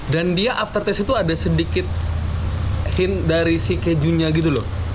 dan dia setelah tes itu ada sedikit hint dari si kejunya gitu loh